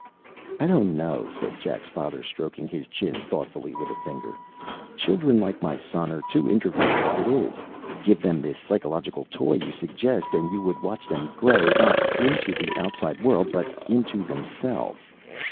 "I don't know," said Jack's father, stroking his chin thoughtfully with a finger. "Children like my son are too introverted as it is. Give them this psychological toy you suggest, and you would watch them grow, not into the outside world, but into themselves.